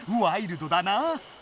ワイルドだなあ。